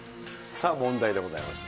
さあ、問題でございます。